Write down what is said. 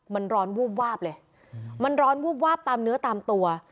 มันร้อนวูบวาบเลยมันร้อนวูบวาบตามเนื้อตามตัว